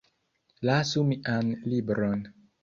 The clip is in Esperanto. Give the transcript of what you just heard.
Lasu mian libron